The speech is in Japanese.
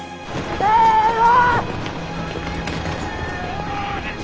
せの。